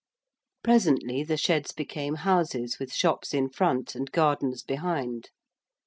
Presently the sheds became houses with shops in front and gardens behind.